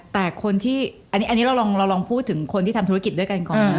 แต่คนที่อันนี้เราลองพูดถึงคนที่ทำธุรกิจด้วยกันก่อนนะ